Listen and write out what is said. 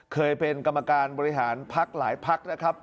เคยเป็นกรรมการบริหารพักหลายพักนะครับ